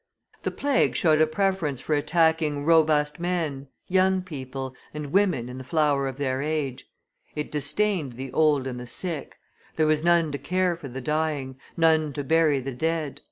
The plague showed a preference for attacking robust men, young people, and women in the flower of their age; it disdained the old and the sick; there was none to care for the dying, none to bury the dead.